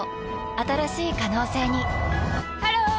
新しい可能性にハロー！